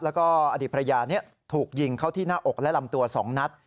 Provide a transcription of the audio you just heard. แล้วก็อดีตภรรยาถูกยิงเข้าที่หน้าอกและลำตัว๒นัด